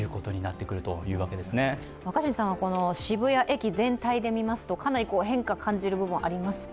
渋谷駅全体で見ますとかなり変化を感じる部分はありますか。